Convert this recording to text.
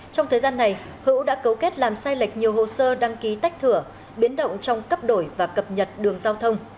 trong thời gian này hữu đã cấu kết làm sai lệch nhiều hồ sơ đăng ký tách thửa biến động trong cấp đổi và cập nhật đường giao thông